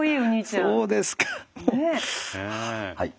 そうですかはい。